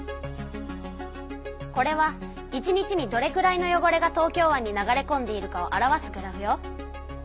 これは１日にどれくらいの汚れが東京湾に流れこんでいるかを表すグラフよ。